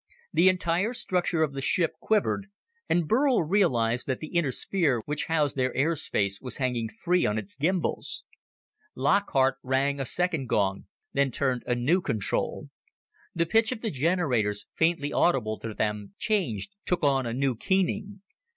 The entire structure of the ship quivered, and Burl realized that the inner sphere which housed their air space was hanging free on its gymbals. Lockhart rang a second gong, then turned a new control. The pitch of the generators, faintly audible to them, changed, took on a new keening.